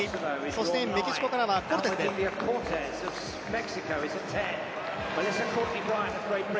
そしてメキシコからはコルテスです。